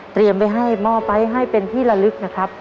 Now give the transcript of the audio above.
เตรียมไว้ให้หม้อไปให้เป็นที่ละลึกนะครับ